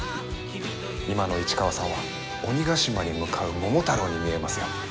今の市川さんは鬼ヶ島に向かう桃太郎に見えますよ。